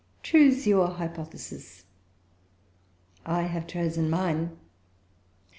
Choose your hypothesis; I have chosen mine.